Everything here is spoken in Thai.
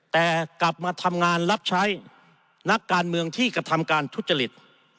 แต่กลับมาทำงานรับใช้นักการเมืองที่กระทำการทุจริต